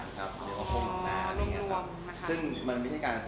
หรือว่าธุรกิจหรือคนบังน้ำ